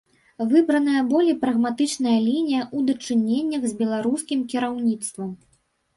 Выбраная болей прагматычная лінія ў дачыненнях з беларускім кіраўніцтвам.